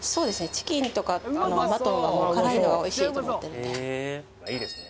チキンとかマトンはもう辛いのがおいしいと思ってるんでへえいいですね